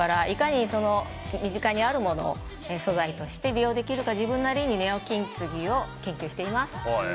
いかに身近にあるものを素材として利用できるか自分なりにネオ金継ぎを研究しています。